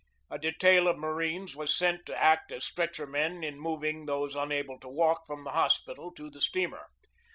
A detail of marines was sent to act as stretcher men in moving those unable to walk from the hospital to the steamer.